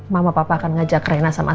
mama papa akan ngajak rena sama asgara pergi